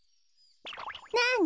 なに？